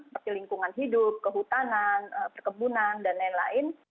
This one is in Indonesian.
seperti lingkungan hidup kehutanan perkebunan dan lain lain